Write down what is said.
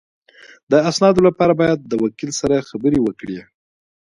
د اسنادو لپاره باید د وکیل سره خبرې وکړې